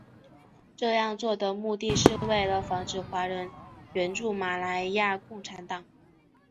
这样做的目的是为了防止华人援助马来亚共产党。